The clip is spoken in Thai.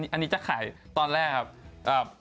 อันนี้จะขายตอนแรกครับ